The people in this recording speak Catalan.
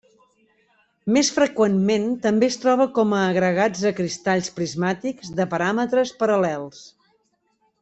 Més freqüentment també es troba com a agregats de cristalls prismàtics de paràmetres paral·lels.